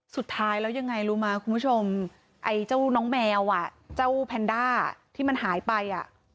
สุดท้ายแล้วยังไงรู้มั้ยคุณผู้ชมไอ้เจ้าน้องแมวอ่ะเจ้าแพนด้าที่มันหายไปอ่ะ